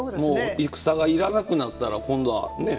戦が要らなくなったら今度はね